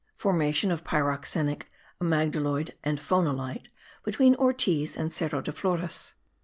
FORMATION OF PYROXENIC AMYGDALOID AND PHONOLITE, BETWEEN ORTIZ AND CERRO DE FLORES.